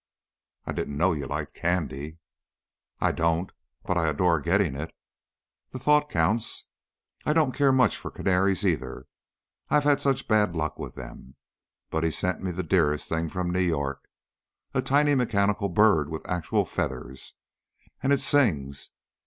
"I didn't know you liked candy." "I don't. But I adore getting it. The thought counts. I don't care much for canaries, either I have such bad luck with them but he sent me the dearest thing from New York. A tiny mechanical bird with actual feathers. And it sings!